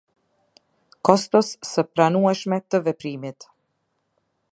Kostos së pranueshme të veprimit.